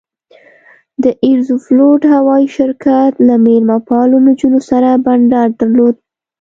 د ایروفلوټ هوایي شرکت له میلمه پالو نجونو سره بنډار درلود.